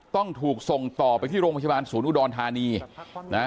ต้องถูกส่งต่อไปที่โรงพยาบาลศูนย์อุดรธานีนะฮะ